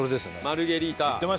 マルゲリータ。